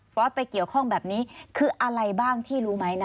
ไปเกี่ยวข้องแบบนี้คืออะไรบ้างที่รู้ไหมนะ